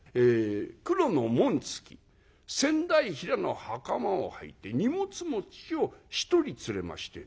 黒の紋付き仙台平の袴をはいて荷物持ちを１人連れまして。